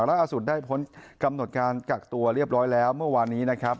ล่าสุดได้พ้นกำหนดการกักตัวเรียบร้อยแล้วเมื่อวานนี้นะครับ